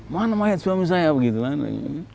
mana mayat suami saya begitulah